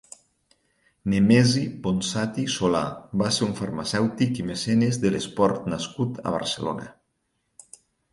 Nemesi Ponsati Solà va ser un farmacèutic i mecenes de l'esport nascut a Barcelona.